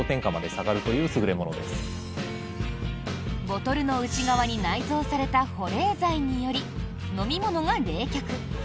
ボトルの内側に内蔵された保冷剤により、飲み物が冷却。